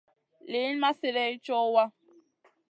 Liyn ma slèdeyn co wa.